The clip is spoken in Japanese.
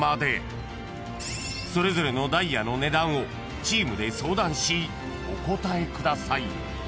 ［それぞれのダイヤの値段をチームで相談しお答えください］